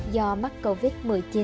do mắc covid một mươi chín